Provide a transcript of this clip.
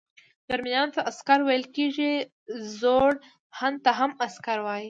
جرمنیانو ته عسکر ویل کیږي، زوړ هن ته هم عسکر وايي.